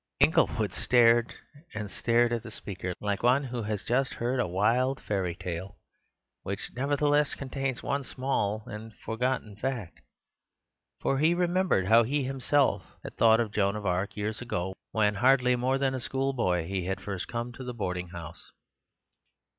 Inglewood stared and stared at the speaker like one who has just heard a wild fairy tale, which nevertheless contains one small and forgotten fact. For he remembered how he had himself thought of Jeanne d'Arc years ago, when, hardly more than a schoolboy, he had first come to the boarding house.